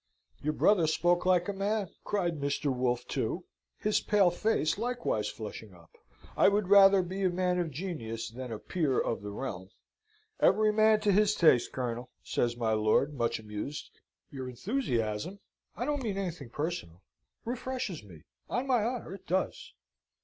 "Your brother spoke like a man," cried Mr. Wolfe, too, his pale face likewise flushing up. "I would rather be a man of genius, than a peer of the realm." "Every man to his taste, Colonel," says my lord, much amused. "Your enthusiasm I don't mean anything personal refreshes me, on my honour it does."